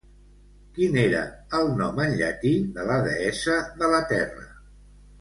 Quin era el nom en llatí de la deessa de la terra?